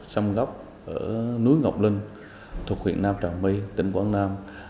sông gốc ở núi ngọc linh thuộc huyện nam trà my tỉnh quảng nam